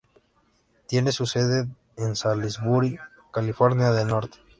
Tiene su sede en Salisbury, Carolina del Norte.